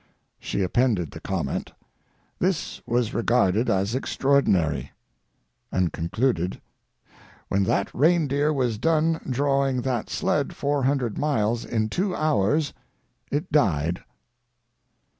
She appended the comment: "This was regarded as extraordinary." And concluded: "When that reindeer was done drawing that sled four hundred miles in two hours it died."